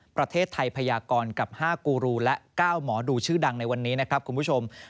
ประเทศไทยพยากรกับ๕กูรูและ๙หมอดูชื่อดังในวันนี้นะครับคุณผู้ชม